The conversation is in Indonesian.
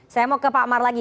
saya mau ke pak mar lagi